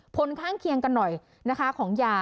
ผลข้างเคียงกันหน่อยนะคะของยา